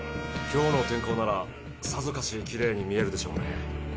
今日の天候ならさぞかしきれいに見えるでしょうね。